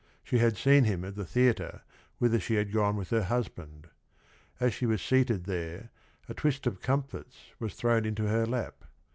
She had seen him at the theatre whither she had gone with her husband. As she was seated there, a twist of comfits was thrown into her lap.